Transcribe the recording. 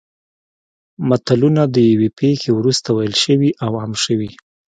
متلونه د یوې پېښې وروسته ویل شوي او عام شوي